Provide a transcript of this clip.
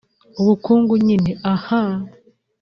“ubungubu nyine ahhh